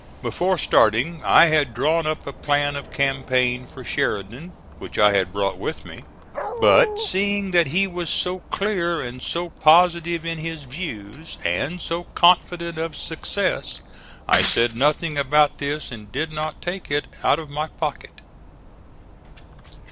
Before starting I had drawn up a plan of campaign for Sheridan, which I had brought with me; but, seeing that he was so clear and so positive in his views and so confident of success, I said nothing about this and did not take it out of my pocket.